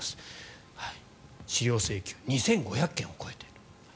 資料請求２５００件を超えている。